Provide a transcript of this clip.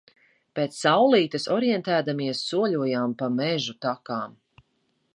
Pēc saulītes orientēdamies soļojām pa mežu takām.